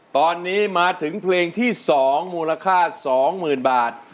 ตอนนี้มาถึงเพลงที่๒มูลค่า๒๐๐๐บาท